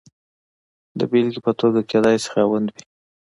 د بېلګې په توګه کېدای شي خاوند وي.